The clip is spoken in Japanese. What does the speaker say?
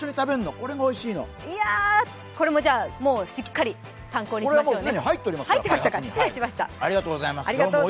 これも、しっかり参考にしましょうね。